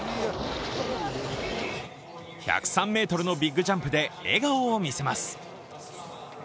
１０３ｍのビッグジャンプで笑顔を見せます。